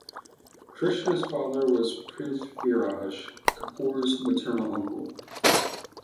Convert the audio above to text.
Krishna's father was Prithviraj Kapoor's maternal uncle.